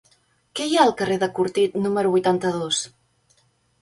Què hi ha al carrer de Cortit número vuitanta-dos?